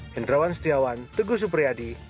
hendrawan setiawan teguh supriyadi